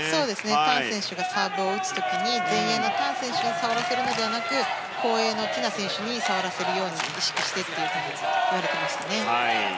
タン選手がサーブを打つ時に前衛のタン選手に触らせるのではなく後衛のティナ選手に触らせるように意識してというふうに言われていましたね。